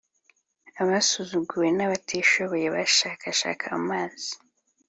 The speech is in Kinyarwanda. Abasuzuguwe n’abatishoboye bashakashaka amazi,